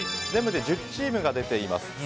全部で１０チームが出ています。